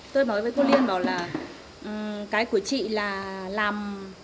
tôi nói với cô liên bảo là cái của chị là làm